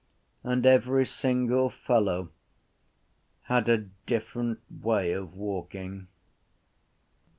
And every single fellow had a different way of walking.